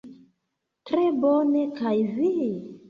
Tre bone kaj vi?